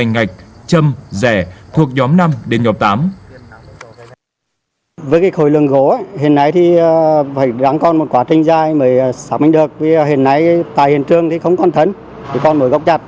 ngạch châm rẻ thuộc nhóm năm đến nhóm tám